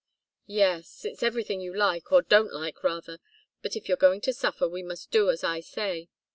"Yes it's everything you like or don't like, rather. But if you're going to suffer, we must do as I say.